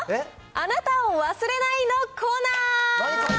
あなたを忘れないのコーナー。